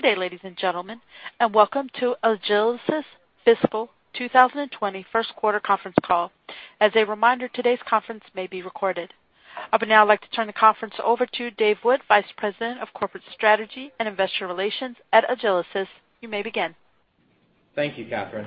Good day, ladies and gentlemen, and welcome to Agilysys Fiscal 2020 First Quarter Conference Call. As a reminder, today's conference may be recorded. I would now like to turn the conference over to Dave Wood, Vice President of Corporate Strategy and Investor Relations at Agilysys. You may begin. Thank you, Catherine.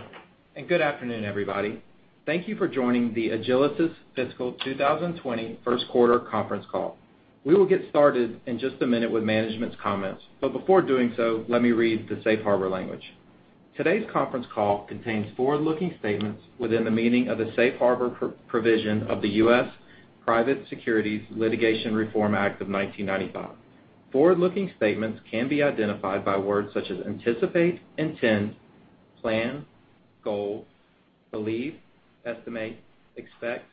Good afternoon, everybody. Thank you for joining the Agilysys Fiscal 2020 First Quarter Conference Call. We will get started in just a minute with management's comments. Before doing so, let me read the safe harbor language. Today's conference call contains forward-looking statements within the meaning of the Safe Harbor Provision of the U.S. Private Securities Litigation Reform Act of 1995. Forward-looking statements can be identified by words such as anticipate, intend, plan, goal, believe, estimate, expect,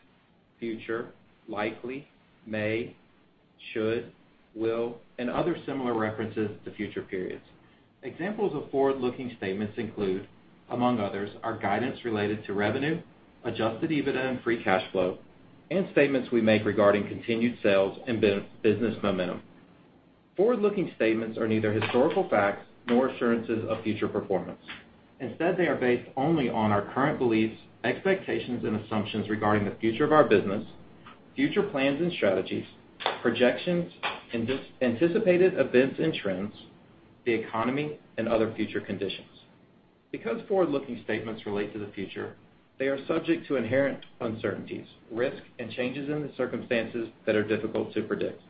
future, likely, may, should, will, and other similar references to future periods. Examples of forward-looking statements include, among others, our guidance related to revenue, adjusted EBITDA and free cash flow, and statements we make regarding continued sales and business momentum. Forward-looking statements are neither historical facts nor assurances of future performance. Instead, they are based only on our current beliefs, expectations, and assumptions regarding the future of our business, future plans and strategies, projections, anticipated events and trends, the economy, and other future conditions. Because forward-looking statements relate to the future, they are subject to inherent uncertainties, risk, and changes in the circumstances that are difficult to predict,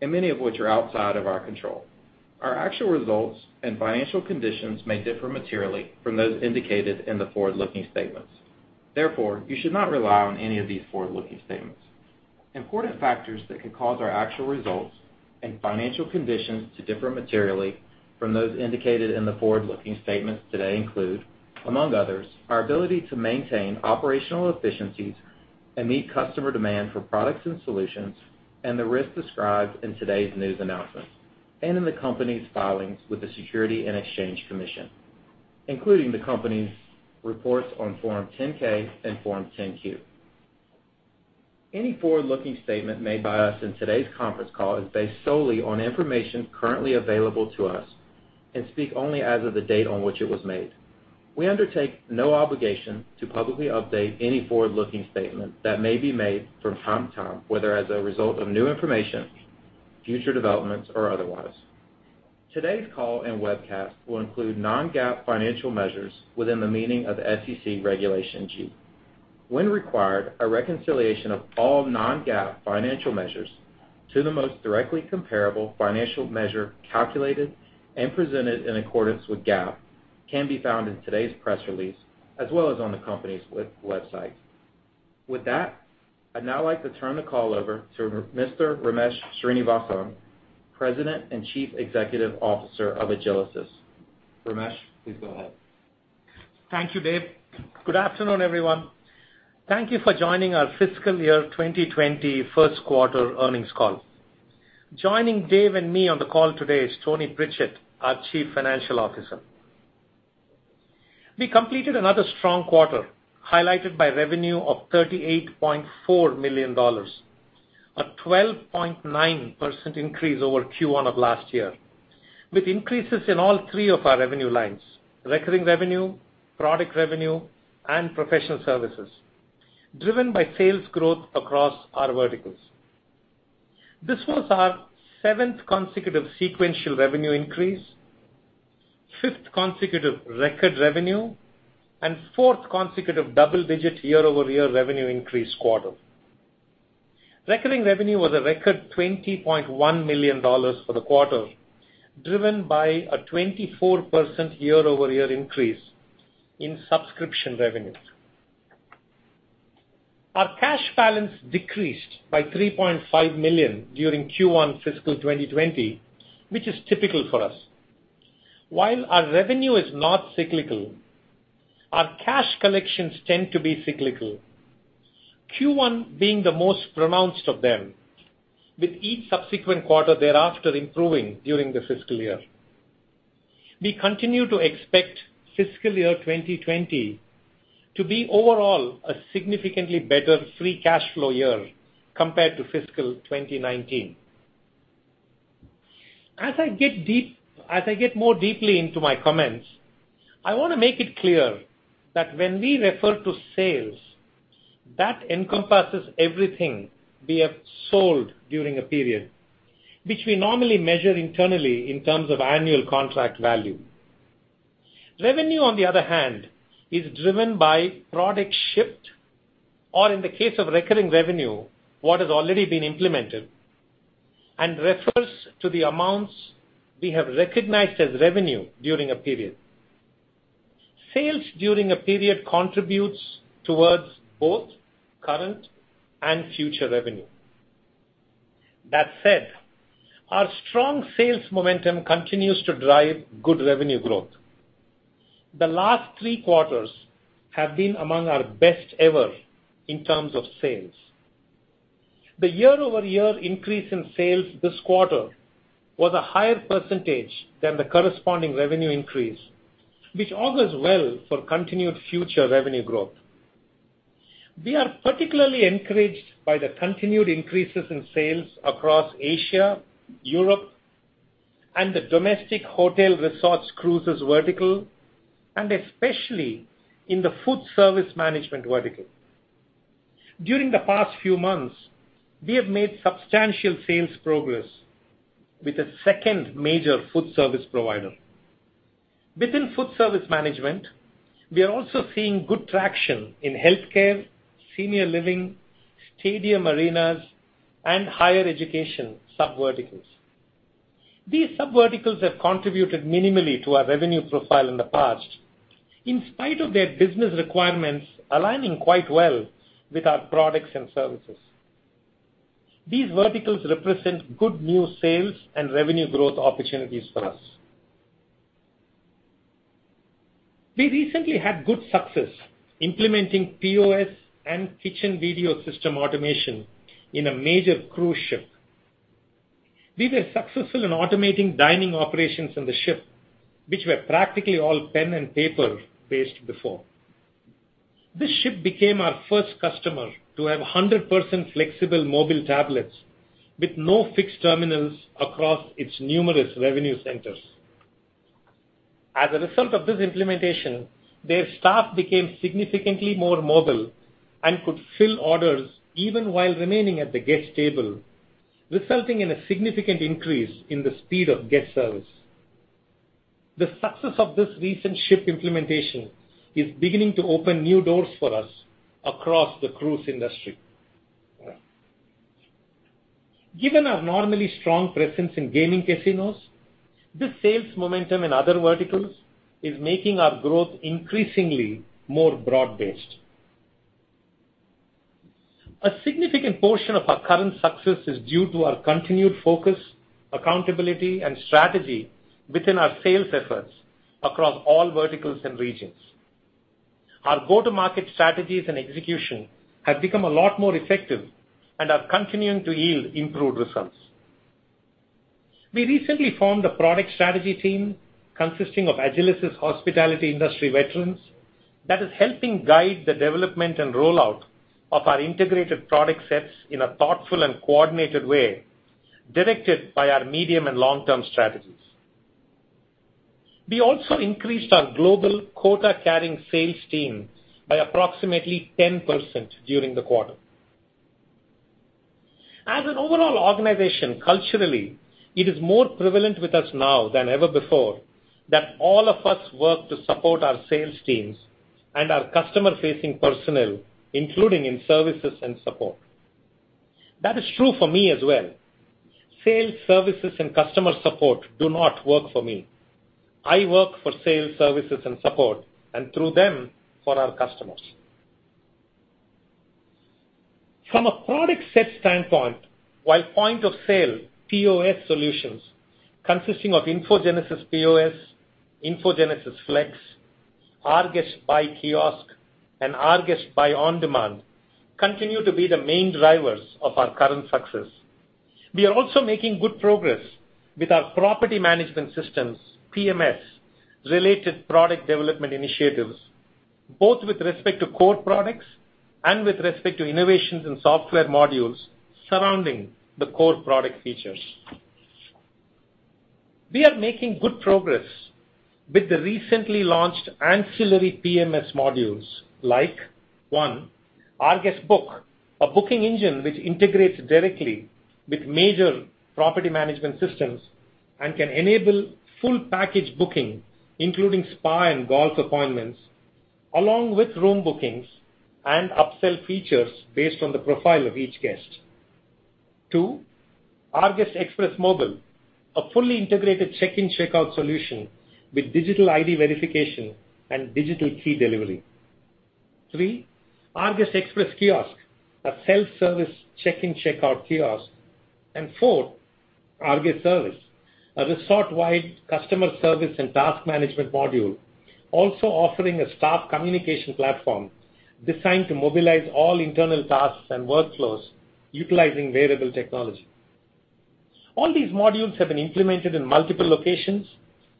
and many of which are outside of our control. Our actual results and financial conditions may differ materially from those indicated in the forward-looking statements. Therefore, you should not rely on any of these forward-looking statements. Important factors that could cause our actual results and financial conditions to differ materially from those indicated in the forward-looking statements today include, among others, our ability to maintain operational efficiencies and meet customer demand for products and solutions, and the risks described in today's news announcements and in the company's filings with the Securities and Exchange Commission, including the company's reports on Form 10-K and Form 10-Q. Any forward-looking statement made by us in today's conference call is based solely on information currently available to us and speak only as of the date on which it was made. We undertake no obligation to publicly update any forward-looking statement that may be made from time to time, whether as a result of new information, future developments, or otherwise. Today's call and webcast will include non-GAAP financial measures within the meaning of SEC Regulation G. When required, a reconciliation of all non-GAAP financial measures to the most directly comparable financial measure calculated and presented in accordance with GAAP can be found in today's press release, as well as on the company's website. With that, I'd now like to turn the call over to Mr. Ramesh Srinivasan, President and Chief Executive Officer of Agilysys. Ramesh, please go ahead. Thank you, Dave. Good afternoon, everyone. Thank you for joining our fiscal year 2020 first quarter earnings call. Joining Dave and me on the call today is Tony Pritchett, our Chief Financial Officer. We completed another strong quarter, highlighted by revenue of $38.4 million, a 12.9% increase over Q1 of last year, with increases in all three of our revenue lines, recurring revenue, product revenue, and professional services, driven by sales growth across our verticals. This was our seventh consecutive sequential revenue increase, fifth consecutive record revenue, and fourth consecutive double-digit year-over-year revenue increase quarter. Recurring revenue was a record $20.1 million for the quarter, driven by a 24% year-over-year increase in subscription revenue. Our cash balance decreased by $3.5 million during Q1 fiscal 2020, which is typical for us. While our revenue is not cyclical, our cash collections tend to be cyclical, Q1 being the most pronounced of them, with each subsequent quarter thereafter improving during the fiscal year. We continue to expect fiscal year 2020 to be overall a significantly better free cash flow year compared to fiscal 2019. As I get more deeply into my comments, I want to make it clear that when we refer to sales, that encompasses everything we have sold during a period, which we normally measure internally in terms of annual contract value. Revenue, on the other hand, is driven by product shipped, or in the case of recurring revenue, what has already been implemented, and refers to the amounts we have recognized as revenue during a period. Sales during a period contributes towards both current and future revenue. That said, our strong sales momentum continues to drive good revenue growth. The last three quarters have been among our best ever in terms of sales. The year-over-year increase in sales this quarter was a higher percentage than the corresponding revenue increase, which augurs well for continued future revenue growth. We are particularly encouraged by the continued increases in sales across Asia, Europe, and the domestic hotel resorts cruises vertical, and especially in the food service management vertical. During the past few months, we have made substantial sales progress with a second major food service provider. Within food service management, we are also seeing good traction in healthcare, senior living, stadium arenas, and higher education sub-verticals. These sub-verticals have contributed minimally to our revenue profile in the past, in spite of their business requirements aligning quite well with our products and services. These verticals represent good new sales and revenue growth opportunities for us. We recently had good success implementing POS and kitchen video system automation in a major cruise ship. We were successful in automating dining operations on the ship, which were practically all pen and paper-based before. This ship became our first customer to have 100% flexible mobile tablets with no fixed terminals across its numerous revenue centers. As a result of this implementation, their staff became significantly more mobile and could fill orders even while remaining at the guest table, resulting in a significant increase in the speed of guest service. The success of this recent ship implementation is beginning to open new doors for us across the cruise industry. Given our normally strong presence in gaming casinos, this sales momentum in other verticals is making our growth increasingly more broad-based. A significant portion of our current success is due to our continued focus, accountability, and strategy within our sales efforts across all verticals and regions. Our go-to-market strategies and execution have become a lot more effective and are continuing to yield improved results. We recently formed a product strategy team consisting of Agilysys hospitality industry veterans that is helping guide the development and rollout of our integrated product sets in a thoughtful and coordinated way, directed by our medium and long-term strategies. We also increased our global quota-carrying sales team by approximately 10% during the quarter. As an overall organization, culturally, it is more prevalent with us now than ever before, that all of us work to support our sales teams and our customer-facing personnel, including in services and support. That is true for me as well. Sales, services, and customer support do not work for me. I work for sales, services, and support, and through them, for our customers. From a product set standpoint, while point of sale, POS solutions consisting of InfoGenesis POS, InfoGenesis Flex, rGuest Buy Kiosk, and rGuest Buy OnDemand continue to be the main drivers of our current success. We are also making good progress with our property management systems, PMS, related product development initiatives, both with respect to core products and with respect to innovations in software modules surrounding the core product features. We are making good progress with the recently launched ancillary PMS modules like, 1, rGuest Book, a booking engine which integrates directly with major property management systems and can enable full package booking, including spa and golf appointments, along with room bookings and upsell features based on the profile of each guest. Two, rGuest Express Mobile, a fully integrated check-in, check-out solution with digital ID verification and digital key delivery. Three, rGuest Express Kiosk, a self-service check-in, check-out kiosk. Four, rGuest Service, a resort-wide customer service and task management module, also offering a staff communication platform designed to mobilize all internal tasks and workflows utilizing wearable technology. All these modules have been implemented in multiple locations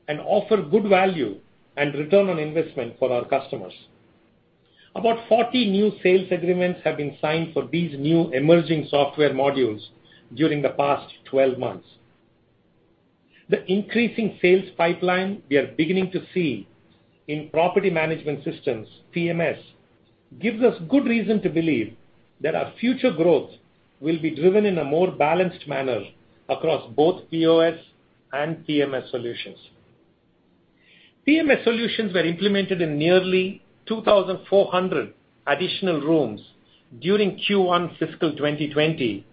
and offer good value and return on investment for our customers. About 40 new sales agreements have been signed for these new emerging software modules during the past 12 months. The increasing sales pipeline we are beginning to see in property management systems, PMS, gives us good reason to believe that our future growth will be driven in a more balanced manner across both POS and PMS solutions. PMS solutions were implemented in nearly 2,400 additional rooms during Q1 fiscal 2020.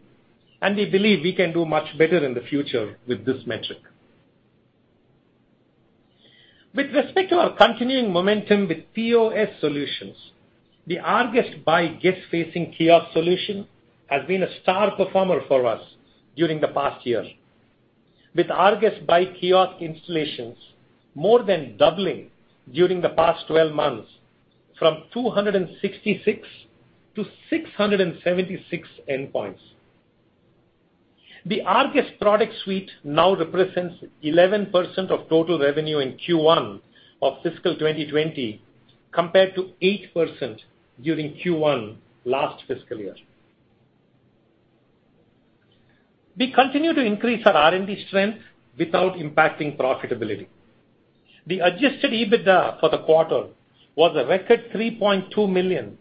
We believe we can do much better in the future with this metric. With respect to our continuing momentum with POS solutions, the rGuest Buy guest-facing kiosk solution has been a star performer for us during the past year, with rGuest Buy Kiosk installations more than doubling during the past 12 months from 266 to 676 endpoints. The rGuest product suite now represents 11% of total revenue in Q1 of fiscal 2020, compared to 8% during Q1 last fiscal year. We continue to increase our R&D strength without impacting profitability. The adjusted EBITDA for the quarter was a record $3.2 million,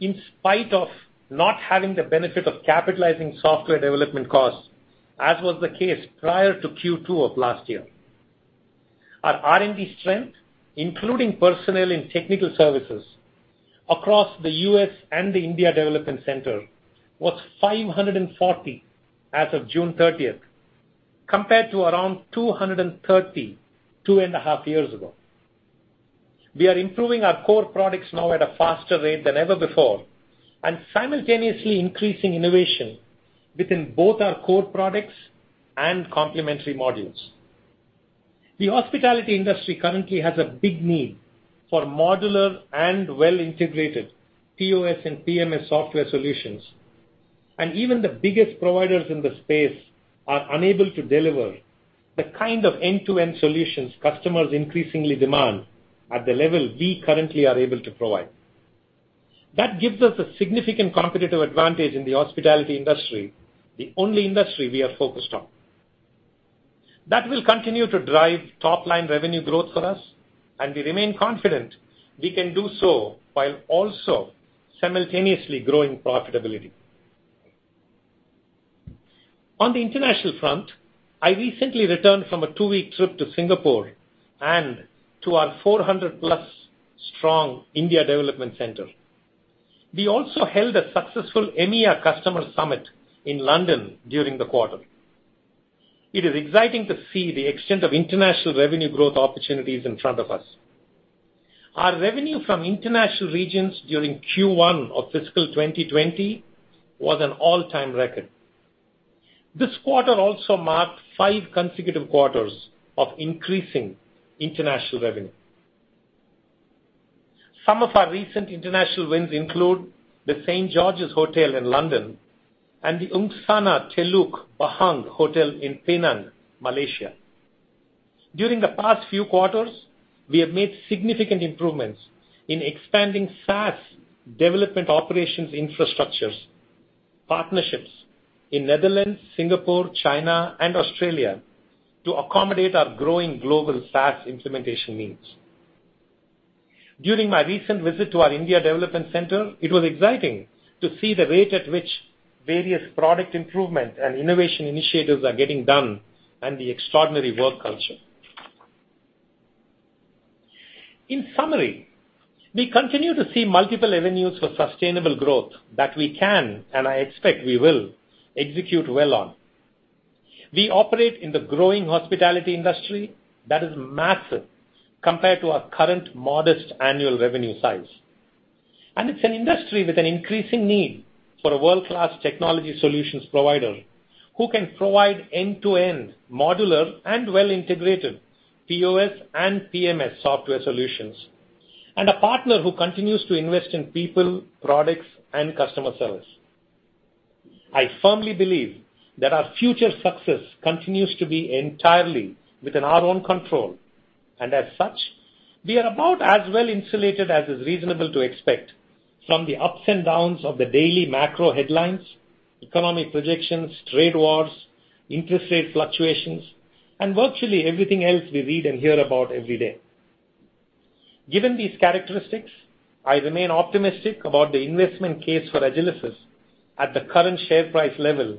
in spite of not having the benefit of capitalizing software development costs, as was the case prior to Q2 of last year. Our R&D strength, including personnel and technical services across the U.S. and the India development center, was 540 as of June 30th, compared to around 230 two and a half years ago. We are improving our core products now at a faster rate than ever before, and simultaneously increasing innovation within both our core products and complementary modules. The hospitality industry currently has a big need for modular and well-integrated POS and PMS software solutions, and even the biggest providers in the space are unable to deliver the kind of end-to-end solutions customers increasingly demand at the level we currently are able to provide. That gives us a significant competitive advantage in the hospitality industry, the only industry we are focused on. That will continue to drive top-line revenue growth for us, and we remain confident we can do so while also simultaneously growing profitability. On the international front, I recently returned from a two-week trip to Singapore and to our 400-plus strong India development center. We also held a successful EMEA customer summit in London during the quarter. It is exciting to see the extent of international revenue growth opportunities in front of us. Our revenue from international regions during Q1 of fiscal 2020 was an all-time record. This quarter also marked five consecutive quarters of increasing international revenue. Some of our recent international wins include the St George's Hotel in London and the Angsana Teluk Bahang Hotel in Penang, Malaysia. During the past few quarters, we have made significant improvements in expanding SaaS development operations infrastructures, partnerships in Netherlands, Singapore, China, and Australia to accommodate our growing global SaaS implementation needs. During my recent visit to our India development center, it was exciting to see the rate at which various product improvement and innovation initiatives are getting done and the extraordinary work culture. In summary, we continue to see multiple avenues for sustainable growth that we can, and I expect we will, execute well on. We operate in the growing hospitality industry that is massive compared to our current modest annual revenue size. It's an industry with an increasing need for a world-class technology solutions provider who can provide end-to-end modular and well-integrated POS and PMS software solutions, and a partner who continues to invest in people, products, and customer service. I firmly believe that our future success continues to be entirely within our own control. As such, we are about as well-insulated as is reasonable to expect from the ups and downs of the daily macro headlines, economic projections, trade wars, interest rate fluctuations, and virtually everything else we read and hear about every day. Given these characteristics, I remain optimistic about the investment case for Agilysys at the current share price level,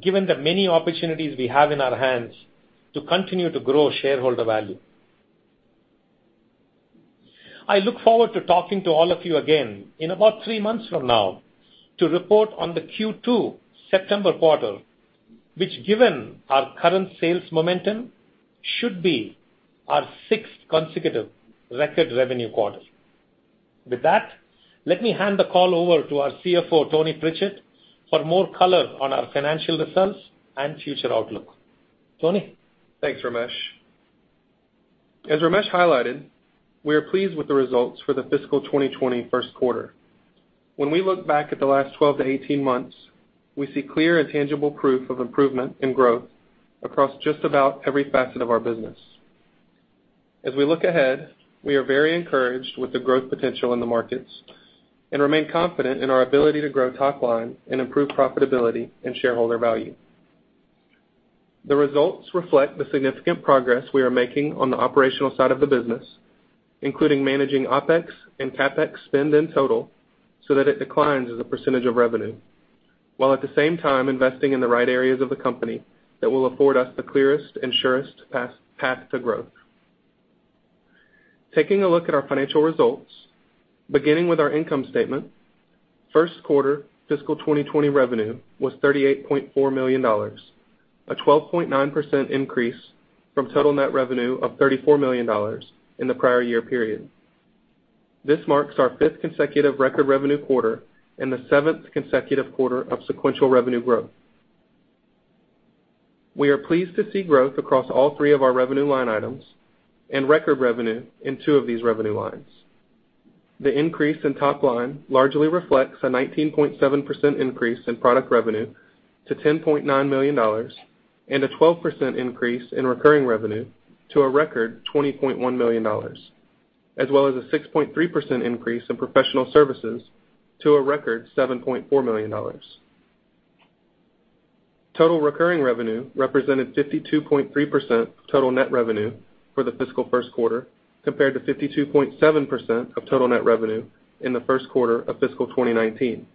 given the many opportunities we have in our hands to continue to grow shareholder value. I look forward to talking to all of you again in about three months from now to report on the Q2 September quarter, which, given our current sales momentum, should be our sixth consecutive record revenue quarter. With that, let me hand the call over to our CFO, Tony Pritchett, for more color on our financial results and future outlook. Tony? Thanks, Ramesh. As Ramesh highlighted, we are pleased with the results for the fiscal 2020 first quarter. When we look back at the last 12 to 18 months, we see clear and tangible proof of improvement in growth across just about every facet of our business. As we look ahead, we are very encouraged with the growth potential in the markets and remain confident in our ability to grow top line and improve profitability and shareholder value. The results reflect the significant progress we are making on the operational side of the business, including managing OpEx and CapEx spend in total so that it declines as a percentage of revenue, while at the same time investing in the right areas of the company that will afford us the clearest and surest path to growth. Taking a look at our financial results, beginning with our income statement, first quarter fiscal 2020 revenue was $38.4 million, a 12.9% increase from total net revenue of $34 million in the prior year period. This marks our fifth consecutive record revenue quarter and the seventh consecutive quarter of sequential revenue growth. We are pleased to see growth across all three of our revenue line items and record revenue in two of these revenue lines. The increase in top line largely reflects a 19.7% increase in product revenue to $10.9 million, and a 12% increase in recurring revenue to a record $20.1 million, as well as a 6.3% increase in professional services to a record $7.4 million. Total recurring revenue represented 52.3% of total net revenue for the fiscal first quarter, compared to 52.7% of total net revenue in the first quarter of fiscal 2019.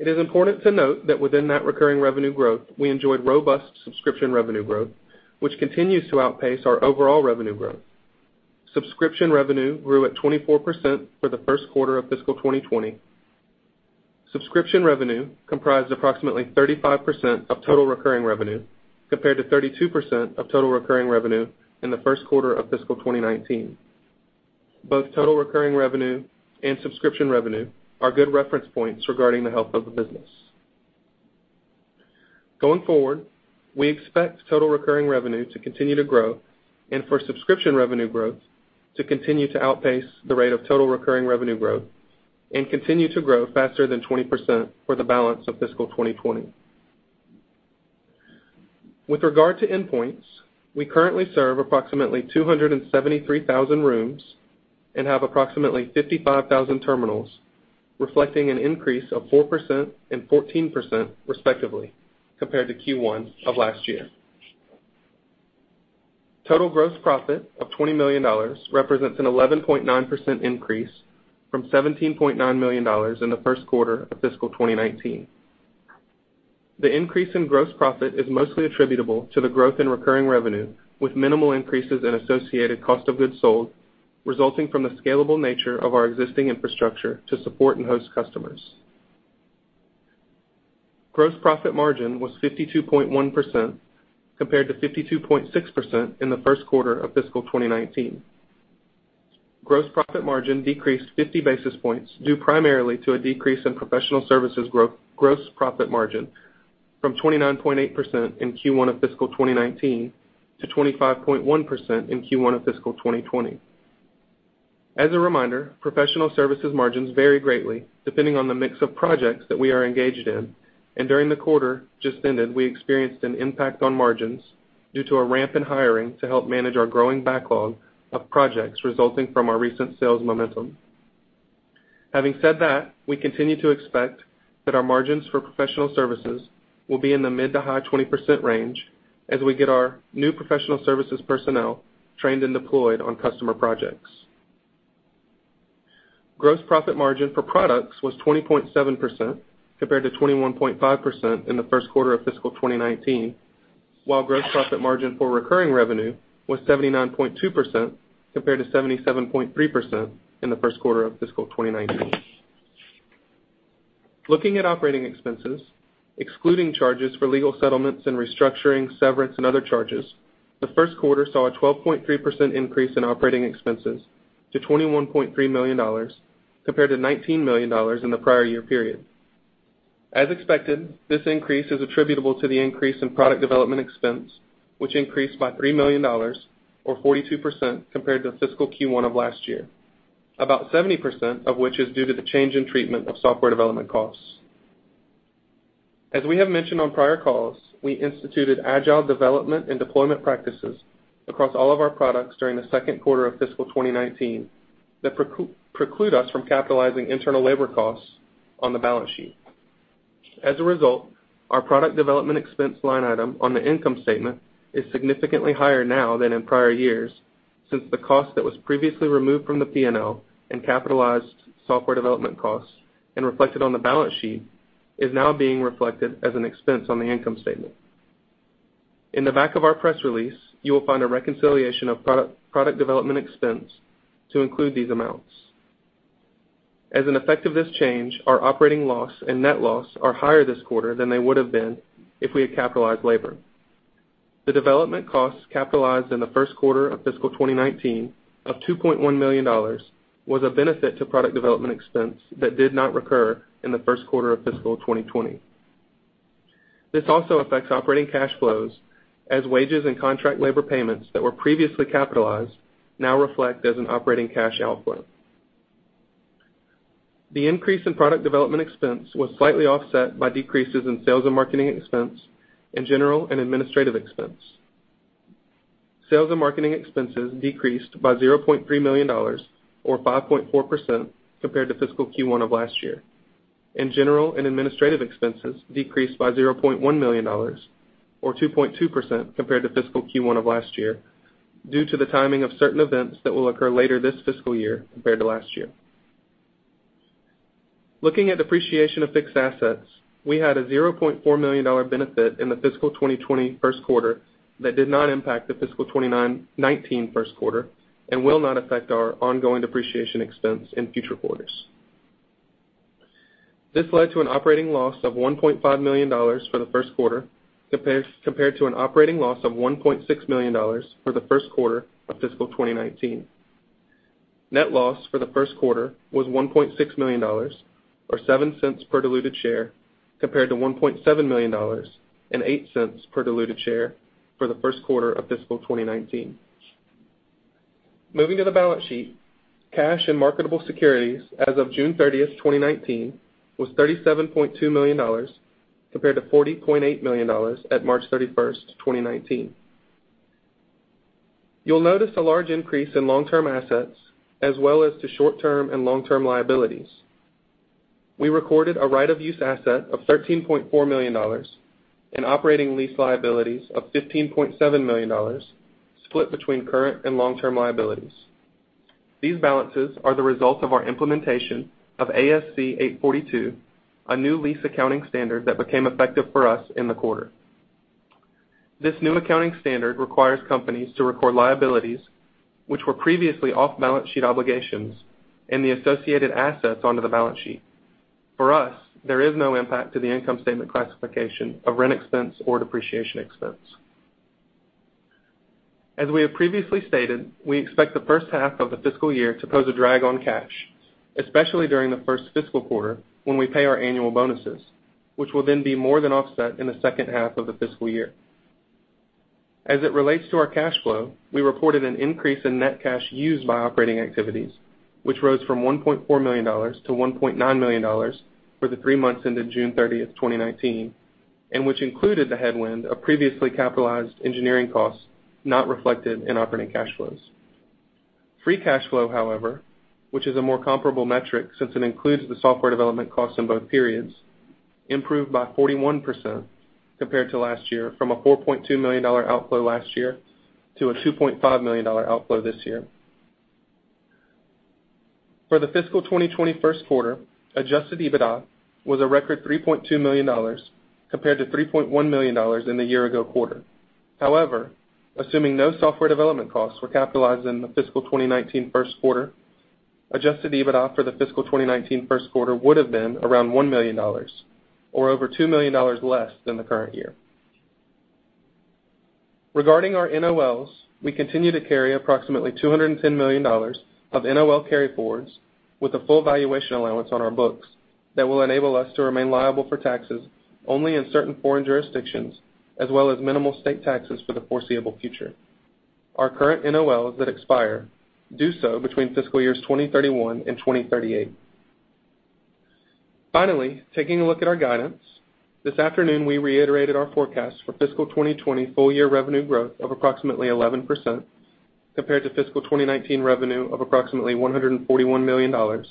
It is important to note that within that recurring revenue growth, we enjoyed robust subscription revenue growth, which continues to outpace our overall revenue growth. Subscription revenue grew at 24% for the first quarter of fiscal 2020. Subscription revenue comprised approximately 35% of total recurring revenue, compared to 32% of total recurring revenue in the first quarter of fiscal 2019. Both total recurring revenue and subscription revenue are good reference points regarding the health of the business. Going forward, we expect total recurring revenue to continue to grow and for subscription revenue growth to continue to outpace the rate of total recurring revenue growth and continue to grow faster than 20% for the balance of fiscal 2020. With regard to endpoints, we currently serve approximately 273,000 rooms and have approximately 55,000 terminals, reflecting an increase of 4% and 14% respectively compared to Q1 of last year. Total gross profit of $20 million represents an 11.9% increase from $17.9 million in the first quarter of fiscal 2019. The increase in gross profit is mostly attributable to the growth in recurring revenue, with minimal increases in associated cost of goods sold, resulting from the scalable nature of our existing infrastructure to support and host customers. Gross profit margin was 52.1% compared to 52.6% in the first quarter of fiscal 2019. Gross profit margin decreased 50 basis points, due primarily to a decrease in professional services gross profit margin from 29.8% in Q1 of fiscal 2019 to 25.1% in Q1 of fiscal 2020. As a reminder, professional services margins vary greatly depending on the mix of projects that we are engaged in. During the quarter just ended, we experienced an impact on margins due to a ramp in hiring to help manage our growing backlog of projects resulting from our recent sales momentum. Having said that, we continue to expect that our margins for professional services will be in the mid to high 20% range as we get our new professional services personnel trained and deployed on customer projects. Gross profit margin for products was 20.7% compared to 21.5% in the first quarter of fiscal 2019, while gross profit margin for recurring revenue was 79.2% compared to 77.3% in the first quarter of fiscal 2019. Looking at operating expenses, excluding charges for legal settlements and restructuring, severance and other charges, the first quarter saw a 12.3% increase in operating expenses to $21.3 million compared to $19 million in the prior year period. As expected, this increase is attributable to the increase in product development expense, which increased by $3 million or 42% compared to fiscal Q1 of last year, about 70% of which is due to the change in treatment of software development costs. As we have mentioned on prior calls, we instituted agile development and deployment practices across all of our products during the second quarter of fiscal 2019 that preclude us from capitalizing internal labor costs on the balance sheet. As a result, our product development expense line item on the income statement is significantly higher now than in prior years since the cost that was previously removed from the P&L and capitalized software development costs and reflected on the balance sheet is now being reflected as an expense on the income statement. In the back of our press release, you will find a reconciliation of product development expense to include these amounts. As an effect of this change, our operating loss and net loss are higher this quarter than they would have been if we had capitalized labor. The development costs capitalized in the first quarter of fiscal 2019 of $2.1 million was a benefit to product development expense that did not recur in the first quarter of fiscal 2020. This also affects operating cash flows, as wages and contract labor payments that were previously capitalized now reflect as an operating cash outflow. The increase in product development expense was slightly offset by decreases in sales and marketing expense and general and administrative expense. Sales and marketing expenses decreased by $0.3 million or 5.4% compared to fiscal Q1 of last year, and general and administrative expenses decreased by $0.1 million or 2.2% compared to fiscal Q1 of last year due to the timing of certain events that will occur later this fiscal year compared to last year. Looking at depreciation of fixed assets, we had a $0.4 million benefit in the fiscal 2020 first quarter that did not impact the fiscal 2019 first quarter and will not affect our ongoing depreciation expense in future quarters. This led to an operating loss of $1.5 million for the first quarter compared to an operating loss of $1.6 million for the first quarter of fiscal 2019. Net loss for the first quarter was $1.6 million or $0.07 per diluted share compared to $1.7 million and $0.08 per diluted share for the first quarter of fiscal 2019. Moving to the balance sheet, cash and marketable securities as of June 30th, 2019, was $37.2 million, compared to $40.8 million at March 31st, 2019. You'll notice a large increase in long-term assets as well as to short-term and long-term liabilities. We recorded a right of use asset of $13.4 million and operating lease liabilities of $15.7 million, split between current and long-term liabilities. These balances are the result of our implementation of ASC 842, a new lease accounting standard that became effective for us in the quarter. This new accounting standard requires companies to record liabilities, which were previously off-balance sheet obligations, and the associated assets onto the balance sheet. For us, there is no impact to the income statement classification of rent expense or depreciation expense. As we have previously stated, we expect the first half of the fiscal year to pose a drag on cash, especially during the first fiscal quarter when we pay our annual bonuses, which will then be more than offset in the second half of the fiscal year. As it relates to our cash flow, we reported an increase in net cash used by operating activities, which rose from $1.4 million to $1.9 million for the three months ended June 30th, 2019, and which included the headwind of previously capitalized engineering costs not reflected in operating cash flows. Free cash flow, however, which is a more comparable metric since it includes the software development costs in both periods, improved by 41% compared to last year, from a $4.2 million outflow last year to a $2.5 million outflow this year. For the fiscal 2020 first quarter, adjusted EBITDA was a record $3.2 million, compared to $3.1 million in the year ago quarter. Assuming no software development costs were capitalized in the fiscal 2019 first quarter, adjusted EBITDA for the fiscal 2019 first quarter would've been around $1 million, or over $2 million less than the current year. Regarding our NOLs, we continue to carry approximately $210 million of NOL carryforwards with a full valuation allowance on our books that will enable us to remain liable for taxes only in certain foreign jurisdictions, as well as minimal state taxes for the foreseeable future. Our current NOLs that expire do so between fiscal years 2031 and 2038. Taking a look at our guidance. This afternoon, we reiterated our forecast for fiscal 2020 full year revenue growth of approximately 11% compared to fiscal 2019 revenue of approximately $141 million,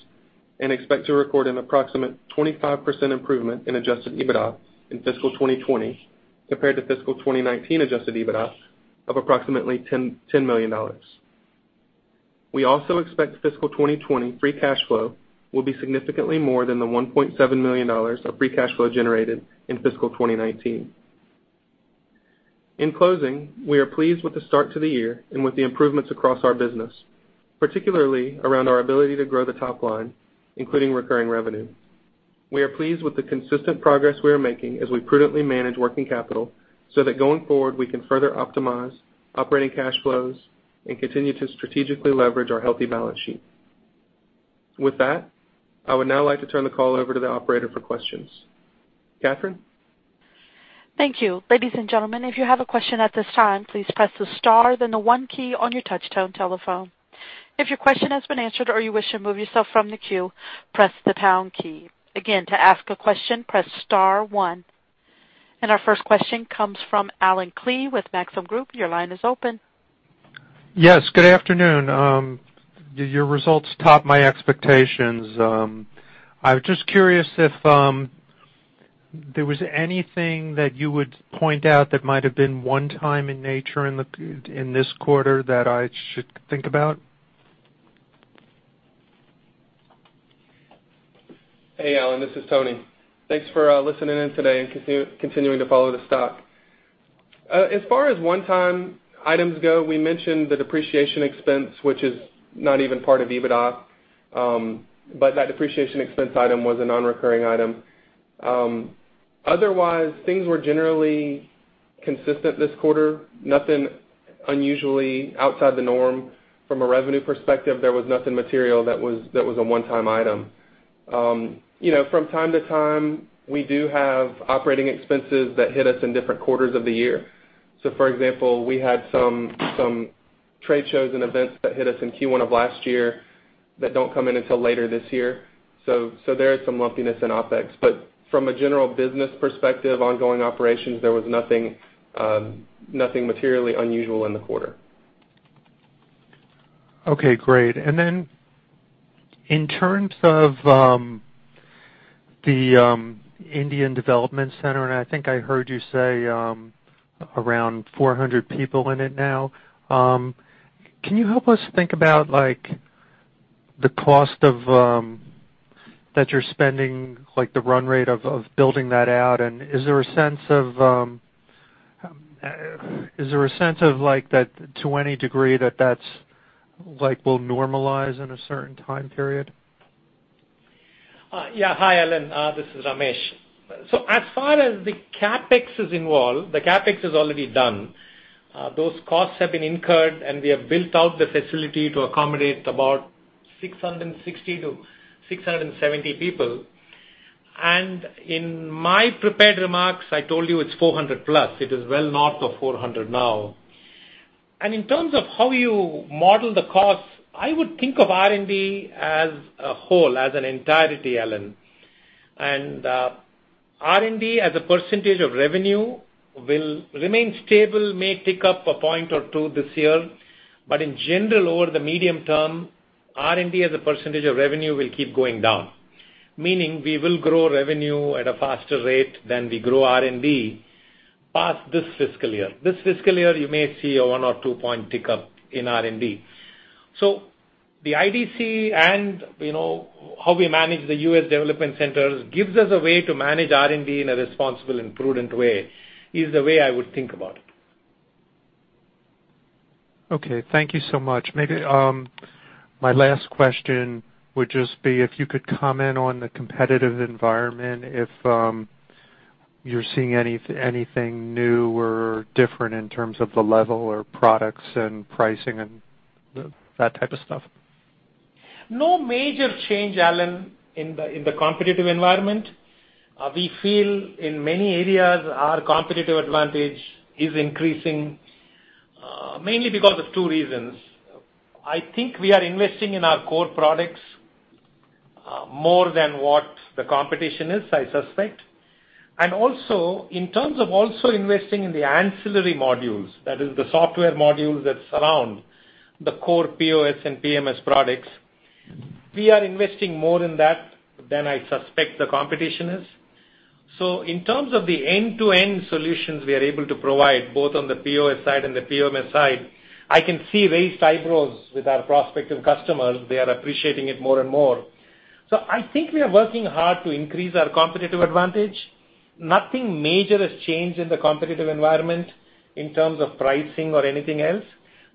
and expect to record an approximate 25% improvement in adjusted EBITDA in fiscal 2020 compared to fiscal 2019 adjusted EBITDA of approximately $10 million. We also expect fiscal 2020 free cash flow will be significantly more than the $1.7 million of free cash flow generated in fiscal 2019. In closing, we are pleased with the start to the year and with the improvements across our business, particularly around our ability to grow the top line, including recurring revenue. We are pleased with the consistent progress we are making as we prudently manage working capital so that going forward, we can further optimize operating cash flows and continue to strategically leverage our healthy balance sheet. With that, I would now like to turn the call over to the operator for questions. Catherine? Thank you. Ladies and gentlemen, if you have a question at this time, please press the star then the one key on your touch tone telephone. If your question has been answered or you wish to remove yourself from the queue, press the pound key. Again, to ask a question, press star one. Our first question comes from Allen Klee with Maxim Group. Your line is open. Yes, good afternoon. Your results topped my expectations. I was just curious if there was anything that you would point out that might have been one time in nature in this quarter that I should think about. Hey, Allen. This is Tony. Thanks for listening in today and continuing to follow the stock. As far as one-time items go, we mentioned the depreciation expense, which is not even part of EBITDA, but that depreciation expense item was a non-recurring item. Otherwise, things were generally consistent this quarter. Nothing unusually outside the norm. From a revenue perspective, there was nothing material that was a one-time item. From time to time, we do have operating expenses that hit us in different quarters of the year. For example, we had some trade shows and events that hit us in Q1 of last year that don't come in until later this year. There is some lumpiness in OpEx. From a general business perspective, ongoing operations, there was nothing materially unusual in the quarter. Okay, great. In terms of the Indian development center, and I think I heard you say around 400 people in it now. Can you help us think about the cost that you're spending, like the run rate of building that out? Is there a sense of that to any degree that that will normalize in a certain time period? Yeah. Hi, Allen. This is Ramesh. As far as the CapEx is involved, the CapEx is already done. Those costs have been incurred. We have built out the facility to accommodate about 660 to 670 people. In my prepared remarks, I told you it's 400+. It is well north of 400 now. In terms of how you model the cost, I would think of R&D as a whole, as an entirety, Allen. R&D as a % of revenue will remain stable, may tick up a point or two this year. In general, over the medium term, R&D as a % of revenue will keep going down, meaning we will grow revenue at a faster rate than we grow R&D past this fiscal year. This fiscal year, you may see a one or two-point tick-up in R&D. The IDC and how we manage the U.S. development centers gives us a way to manage R&D in a responsible and prudent way, is the way I would think about it. Okay, thank you so much. Maybe my last question would just be if you could comment on the competitive environment, if you're seeing anything new or different in terms of the level or products and pricing and that type of stuff? No major change, Allen, in the competitive environment. We feel in many areas our competitive advantage is increasing, mainly because of two reasons. I think we are investing in our core products more than what the competition is, I suspect. In terms of also investing in the ancillary modules, that is the software modules that surround the core POS and PMS products, we are investing more in that than I suspect the competition is. In terms of the end-to-end solutions we are able to provide, both on the POS side and the PMS side, I can see raised eyebrows with our prospective customers. They are appreciating it more and more. I think we are working hard to increase our competitive advantage. Nothing major has changed in the competitive environment in terms of pricing or anything else.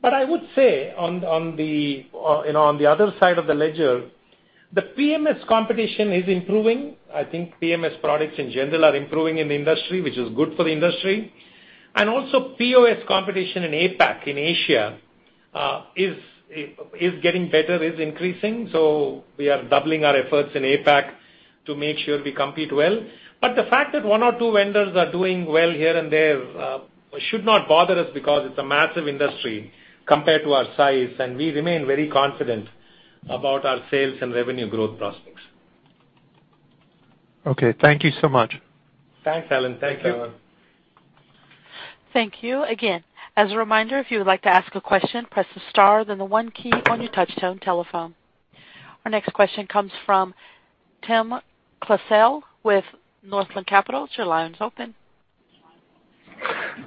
I would say on the other side of the ledger, the PMS competition is improving. I think PMS products in general are improving in the industry, which is good for the industry. Also POS competition in APAC, in Asia, is getting better, is increasing. We are doubling our efforts in APAC to make sure we compete well. The fact that one or two vendors are doing well here and there should not bother us because it's a massive industry compared to our size, and we remain very confident about our sales and revenue growth prospects. Okay, thank you so much. Thanks, Allen. Thank you. Thanks, Allen. Thank you. As a reminder, if you would like to ask a question, press the star, then the one key on your touchtone telephone. Our next question comes from Tyler Wood with Northland Capital. Your line is open.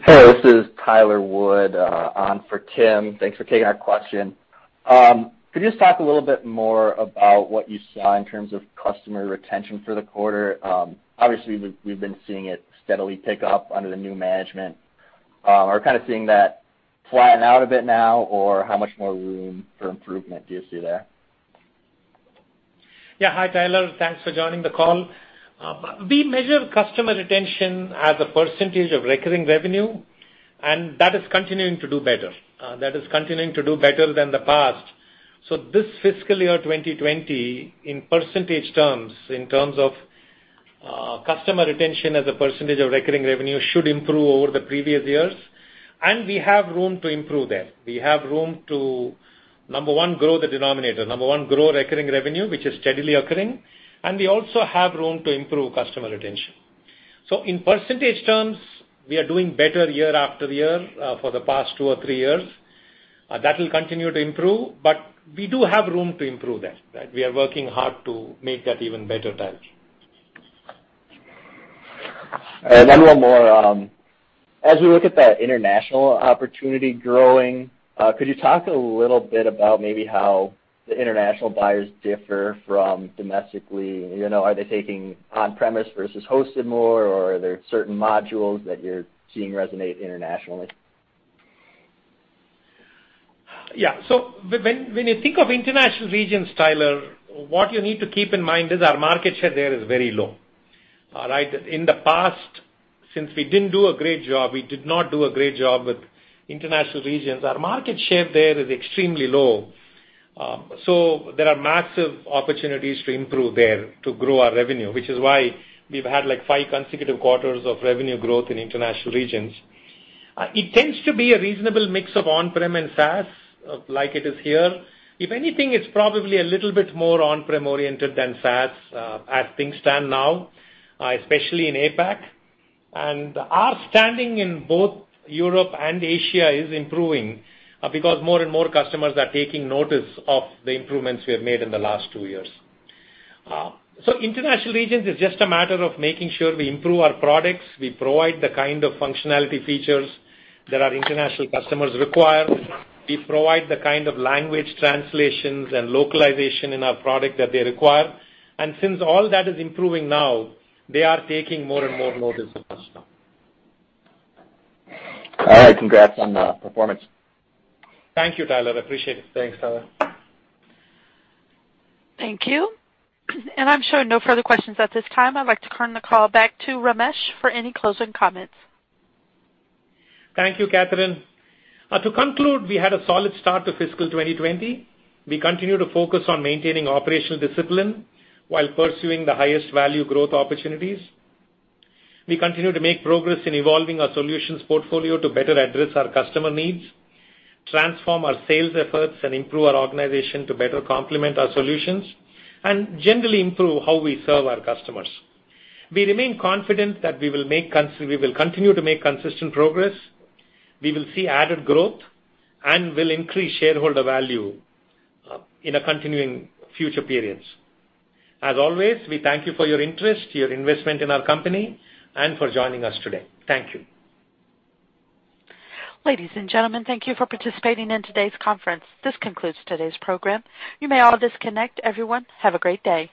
Hey, this is Tyler Wood on for Tim. Thanks for taking our question. Could you just talk a little bit more about what you saw in terms of customer retention for the quarter? Obviously, we've been seeing it steadily tick up under the new management. Are we kind of seeing that flatten out a bit now, or how much more room for improvement do you see there? Hi, Tyler. Thanks for joining the call. We measure customer retention as a % of recurring revenue. That is continuing to do better. That is continuing to do better than the past. This fiscal year 2020, in % terms, in terms of customer retention as a % of recurring revenue, should improve over the previous years. We have room to improve there. We have room to, number one, grow the denominator, number one, grow recurring revenue, which is steadily occurring, and we also have room to improve customer retention. In % terms, we are doing better year after year for the past two or three years. That will continue to improve. We do have room to improve there. We are working hard to make that even better, Tyler. All right, one more. As we look at that international opportunity growing, could you talk a little bit about maybe how the international buyers differ from domestically? Are they taking on-premise versus hosted more, or are there certain modules that you're seeing resonate internationally? When you think of international regions, Tyler, what you need to keep in mind is our market share there is very low. All right. In the past, since we didn't do a great job, we did not do a great job with international regions, our market share there is extremely low. There are massive opportunities to improve there to grow our revenue, which is why we've had, like, 5 consecutive quarters of revenue growth in international regions. It tends to be a reasonable mix of on-prem and SaaS like it is here. If anything, it's probably a little bit more on-prem oriented than SaaS as things stand now, especially in APAC. Our standing in both Europe and Asia is improving because more and more customers are taking notice of the improvements we have made in the last 2 years. International regions is just a matter of making sure we improve our products, we provide the kind of functionality features that our international customers require, we provide the kind of language translations and localization in our product that they require. Since all that is improving now, they are taking more and more notice of us now. All right. Congrats on the performance. Thank you, Tyler. Appreciate it. Thanks, Tyler. Thank you. I'm showing no further questions at this time. I'd like to turn the call back to Ramesh for any closing comments. Thank you, Catherine. To conclude, we had a solid start to fiscal 2020. We continue to focus on maintaining operational discipline while pursuing the highest value growth opportunities. We continue to make progress in evolving our solutions portfolio to better address our customer needs, transform our sales efforts, and improve our organization to better complement our solutions, and generally improve how we serve our customers. We remain confident that we will continue to make consistent progress. We will see added growth and will increase shareholder value in a continuing future periods. As always, we thank you for your interest, your investment in our company, and for joining us today. Thank you. Ladies and gentlemen, thank you for participating in today's conference. This concludes today's program. You may all disconnect. Everyone, have a great day.